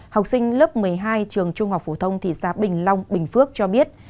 học sinh lớp một mươi hai trường trung học phổ thông thị xã bình long bình phước cho biết